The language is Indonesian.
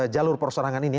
jalur persorangan ini